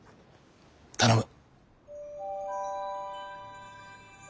頼む。